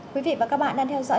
quý vị và các bạn đang theo dõi